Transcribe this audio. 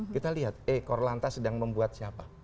kita lihat eh korlantas sedang membuat siapa